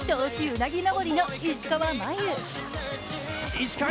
うなぎ登りの石川真佑。